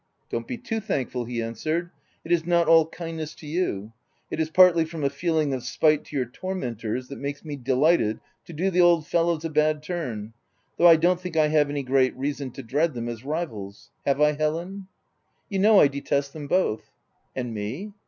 "Don't be too thankful/' he answered : "it is not all kindness to you ; it is partly from a feeling of spite to your tormentors that makes me delighted to do the old fellows a bad turn, though I don't think I have any great reason to dread them as rivals — Have I Helen V* u You know I detest them both/' " And me